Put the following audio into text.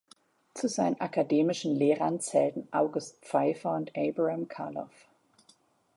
Zu seinen akademischen Lehrern zählten August Pfeiffer und Abraham Calov.